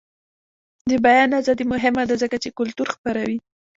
د بیان ازادي مهمه ده ځکه چې کلتور خپروي.